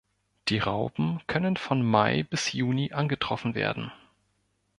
Die Raupen können von Mai bis Juni angetroffen werden.